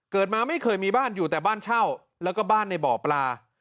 มาไม่เคยมีบ้านอยู่แต่บ้านเช่าแล้วก็บ้านในบ่อปลา